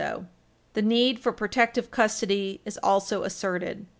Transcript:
[Footnote 3/9]" The need for protective custody is also asserted.